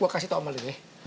gue kasih tau sama lu deh